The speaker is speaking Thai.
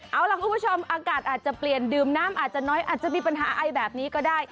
เอาล่ะคุณผู้ชมอากาศอาจจะเปลี่ยนดื่มน้ำอาจจะน้อยอาจจะมีปัญหาไอแบบนี้ก็ได้